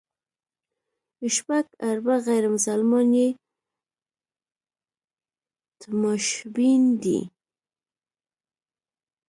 شپږ اربه غیر مسلمان یې تماشبین دي.